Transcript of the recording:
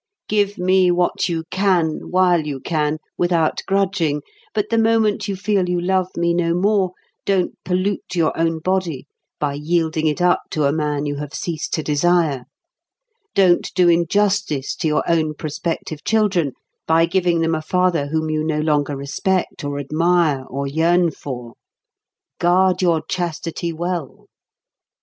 Give me what you can, while you can, without grudging, but the moment you feel you love me no more, don't pollute your own body by yielding it up to a man you have ceased to desire; don't do injustice to your own prospective children by giving them a father whom you no longer respect, or admire, or yearn for. Guard your chastity well.